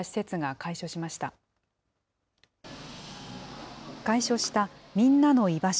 開所したみんなの居場所